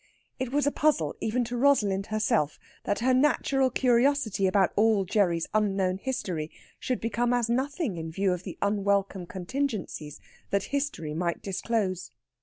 It was a puzzle, even to Rosalind herself, that her natural curiosity about all Gerry's unknown history should become as nothing in view of the unwelcome contingencies that history might disclose.